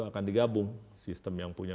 akan digabung sistem yang punya